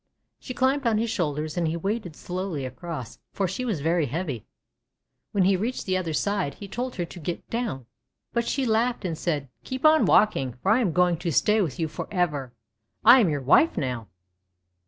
She climbed on his shoulders, and he waded slowly across, for she was very heavy. When he reached the other side, he told her to get down, but she laughed and said: — "Keep on walking, for I am going to stay with you for ever. I am your wife now!'